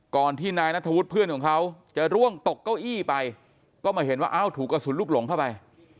ก่อนที่นายนัทธวุฒิเพื่อนของเขาจะร่วงตกเก้าอี้ไปก็มาเห็นว่าเอ้าถูกกระสุนลูกหลงเข้าไป